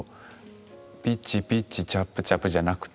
「ピッチピッチチャップチャップ」じゃなくて。